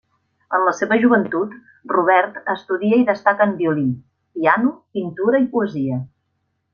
En la seva joventut, Robert estudia i destaca en violí, piano, pintura i poesia.